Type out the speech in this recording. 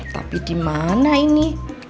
tapi dimana ini